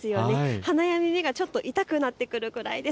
鼻や目がちょっと痛くなってくるくらいです。